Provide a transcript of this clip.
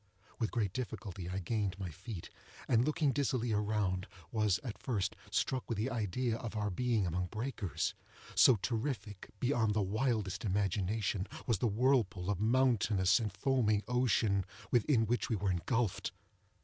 With great difficulty I gained my feet, and looking dizzily around, was, at first, struck with the idea of our being among breakers; so terrific, beyond the wildest imagination, was the whirlpool of mountainous and foaming ocean within which we were engulfed.